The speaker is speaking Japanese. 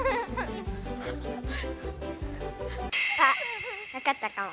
あわかったかも。